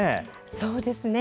そうですね。